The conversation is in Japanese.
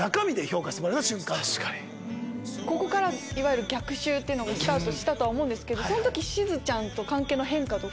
ここからいわゆる逆襲がスタートしたと思うんですけどその時しずちゃんと関係の変化とか。